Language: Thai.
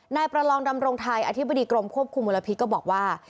นายประลองดำรงไทยอธิบดีกรมควบคุมมลพิษก็บอกว่า